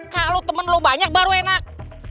kalau temen lo banyak baru enak